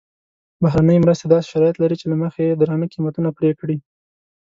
بهرنۍ مرستې داسې شرایط لري چې له مخې یې درانده قیمتونه پرې کړي.